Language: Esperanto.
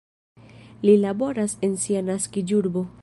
Li laboras en sia naskiĝurbo.